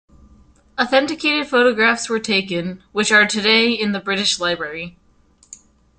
Authenticated photographs were taken, which are today in the British Library.